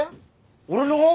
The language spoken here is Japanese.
俺の？